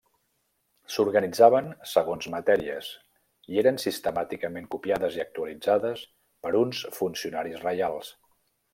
S'organitzaven segons matèries i eren sistemàticament copiades i actualitzades per uns funcionaris reials.